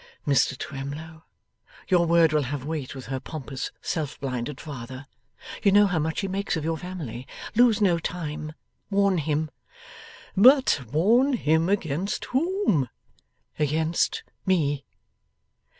'Mr Twemlow, your word will have weight with her pompous, self blinded father. You know how much he makes of your family. Lose no time. Warn him.' 'But warn him against whom?' 'Against me.